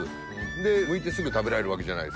でむいてすぐ食べられるわけじゃないですか。